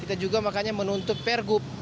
kita juga makanya menuntut per gub